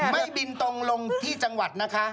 ไม่บินตรงลงที่จังหวัดนะคะ